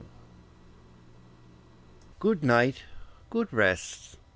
XIV. Good night, good rest.